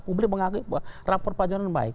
publik menganggap bahwa rapor pak jonan baik